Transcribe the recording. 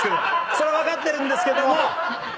それは分かってるんですけども。